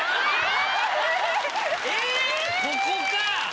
ここか！